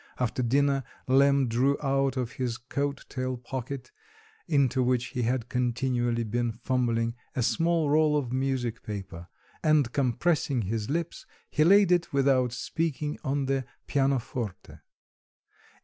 After dinner Lemm drew out of his coat tail pocket, into which he had continually been fumbling, a small roll of music paper and compressing his lips he laid it without speaking on the pianoforte.